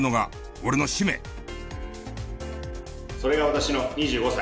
それが私の２５歳。